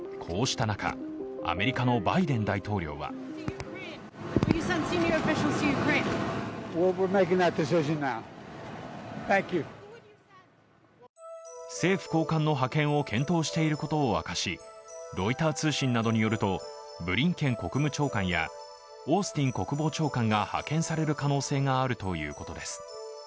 こうした中、アメリカのバイデン大統領は政府高官の派遣を検討していることを明かしロイター通信などによると、ブリンケン国務長官やオースティン国防長官が派遣される可能性があるということです。